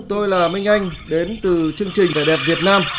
tôi là minh anh đến từ chương trình vẻ đẹp việt nam